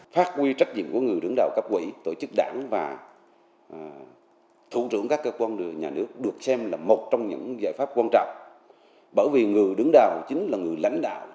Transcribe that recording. bởi vì người đứng đầu chính là người lãnh đạo